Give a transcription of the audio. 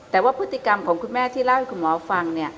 แต่ว่าพฤติกรรมของคุณแม่ที่เล่าให้คุณหมอฟัง